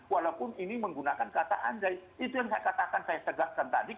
walaupun ini menggunakan kata andai itu yang saya katakan saya tegaskan tadi